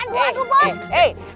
aduh aduh aduh bos